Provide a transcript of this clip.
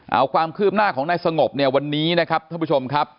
เอาความคืบหน้าของนายสงบเนี่ยวันนี้นะครับท่านผู้ชมครับ